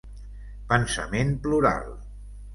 Pensament plural.